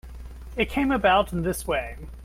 It came about in this way.